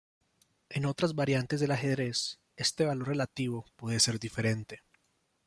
En otras variantes del ajedrez este valor relativo puede ser diferente.